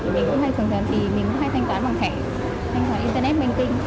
mình cũng hay thanh toán bằng thẻ thay vào internet bên kinh